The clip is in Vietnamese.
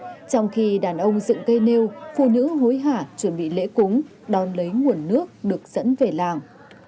trong khi đàn ông dựng cây nêu phụ nữ hối hả chuẩn bị lễ cúng đón lấy nguồn nước được dẫn về làng